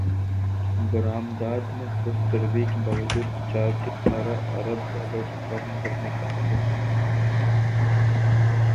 برامدات میں سست روی کے باوجود تجارتی خسارہ ارب ڈالر کم کرنے کا ہدف